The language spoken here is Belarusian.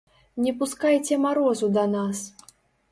Не пускайце марозу да нас!